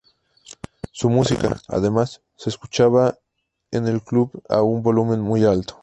Su música, además, se escuchaba en el club a un volumen muy alto.